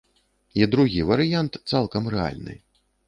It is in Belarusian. І другі варыянт цалкам рэальны.